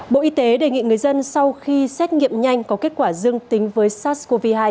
bộ y tế đề nghị người dân sau khi xét nghiệm nhanh có kết quả dương tính với sars cov hai